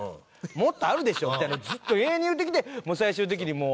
「もっとあるでしょ」みたいなのをずっと永遠に言うてきて最終的にもう。